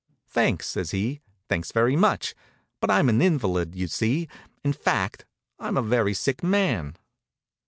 "Thanks," says he, "thanks very much. But I'm an invalid, you see. In fact, I'm a very sick man."